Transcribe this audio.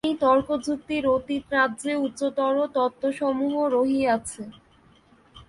এই তর্কযুক্তির অতীত রাজ্যে উচ্চতর তত্ত্বসমূহ রহিয়াছে।